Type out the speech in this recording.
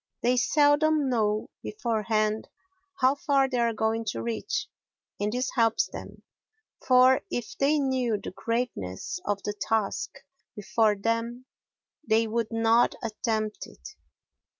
They seldom know beforehand how far they are going to reach, and this helps them; for if they knew the greatness of the task before them they would not attempt it.